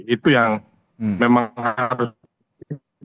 itu yang harus kita hargai sebagai pikir